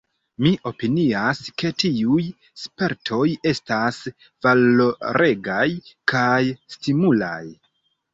Mi opinias ke tiuj spertoj estas valoregaj kaj stimulaj.